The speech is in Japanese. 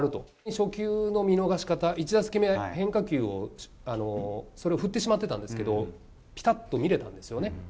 初球の見逃し方、１打席目、変化球をそれを振ってしまってたんですけど、ぴたっと見れたんですよね。